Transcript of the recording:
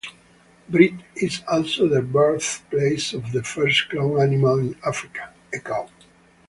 Brits is also the birthplace of the first cloned animal in Africa, a cow.